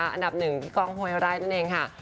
อันดับ๑พี่กองหวยได้นั่นเองค่ะ